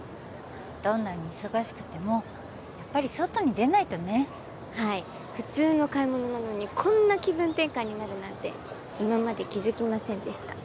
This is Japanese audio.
どんなに忙しくてもやっぱり外に出ないとねはい普通の買い物なのにこんな気分転換になるなんて今まで気づきませんでした